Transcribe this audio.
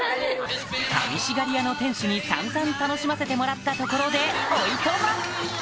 さみしがり屋の店主に散々楽しませてもらったところでおいとま！